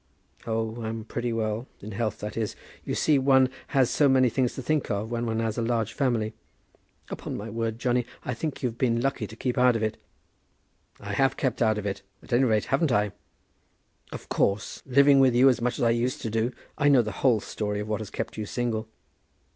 "Oh, I'm pretty well, in health, that is. You see one has so many things to think of when one has a large family. Upon my word, Johnny, I think you've been lucky to keep out of it." "I have kept out of it, at any rate; haven't I?" "Of course; living with you as much as I used to do, I know the whole story of what has kept you single."